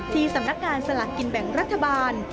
สำนักงานสลากกินแบ่งรัฐบาล